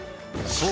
そう！